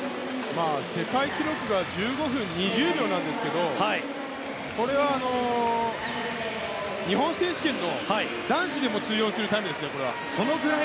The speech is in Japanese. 世界記録が１５分２０秒ですけどこれは、日本選手権の男子にも通用するタイムですよ。